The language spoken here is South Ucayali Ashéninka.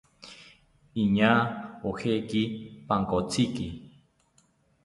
Iñaa ojeki pankotziki